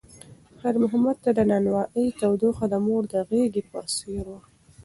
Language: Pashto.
خیر محمد ته د نانوایۍ تودوخه د مور د غېږې په څېر وه.